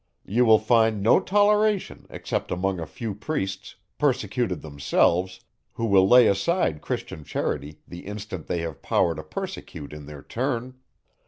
You will find no toleration except among a few priests, persecuted themselves, who will lay aside Christian charity the instant they have power to persecute in their turn.